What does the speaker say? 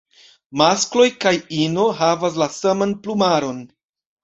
Maskloj kaj ino havas la saman plumaron.